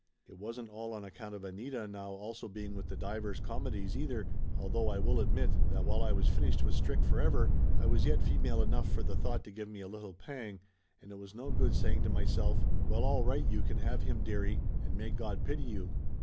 It wasn't all on account of Anita now also being with the Divers Comedies, either, although I will admit that while I was finished with Strick for ever, I was yet female enough for the thought to give me a little pang, and it was no good saying to myself, well, all right you can have him, dearie, and may God pity you!